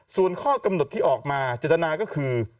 ส่วนข้อกำหนดที่ออกมาเจตนาก็คือ